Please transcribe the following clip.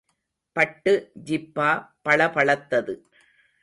பட்டு ஜிப்பா பளபளத்தது.